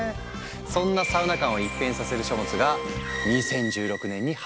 そんなサウナ観を一変させる書物が２０１６年に発表されたんだ。